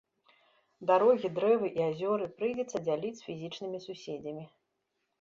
Дарогі, дрэвы і азёры прыйдзецца дзяліць з фізічнымі суседзямі.